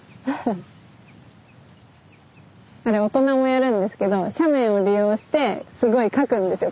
あれ大人もやるんですけど斜面を利用してすごいかくんですよ